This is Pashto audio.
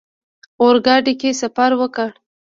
اورګاډي کې سفر وکړ.